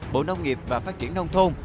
bộ nông nghiệp và phát triển nông thôn